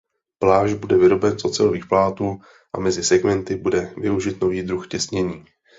Plášť bude vyroben z ocelových plátů a mezi segmenty bude využit nový druh těsnění.